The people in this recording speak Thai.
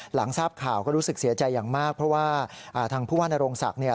หลังทราบข่าวก็รู้สึกเสียใจอย่างมากเพราะว่าทางผู้ว่านโรงศักดิ์เนี่ย